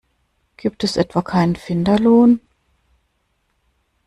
Gibt es etwa keinen Finderlohn?